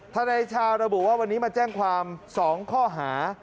นายชาวระบุว่าวันนี้มาแจ้งความ๒ข้อหา